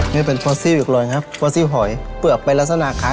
นี่เป็นฟอสซี่อีกเลยครับฟอสซี่หอยเปลือกเป็นลักษณะคล้าย